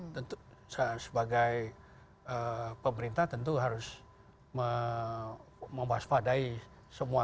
tentu sebagai pemerintah tentu harus membahas padai semua